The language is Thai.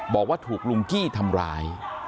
บอกว่าถูกลุงกี้ทำร้าย